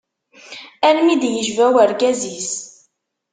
Almi i d-yejba urgaz-is.